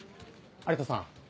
有田さん。